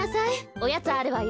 おやつあるわよ。